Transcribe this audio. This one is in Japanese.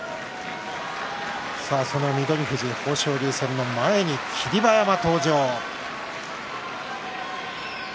その翠富士、豊昇龍戦の前に霧馬山登場。